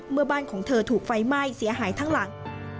บ้านของเธอถูกไฟไหม้เสียหายทั้งหลัง